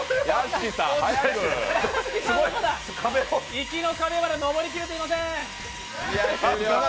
行きの壁をまだ上り切れていません。